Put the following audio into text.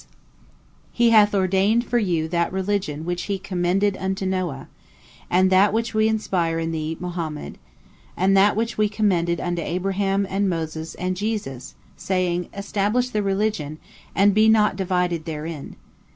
P: He hath ordained for you that religion which He commended unto Noah, and that which We inspire in thee (Muhammad), and that which We commended unto Abraham and Moses and Jesus, saying: Establish the religion, and be not divided therein.